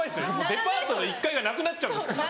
デパートの１階がなくなっちゃうんですから。